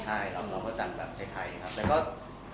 ใช่แล้วเราก็จัดแบบไทยไทยครับแต่ก็ก็